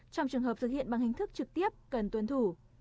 trong trường hợp thực hiện bằng hình thức trực tiếp cần tuân thủ